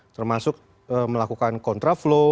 termasuk melakukan contra flow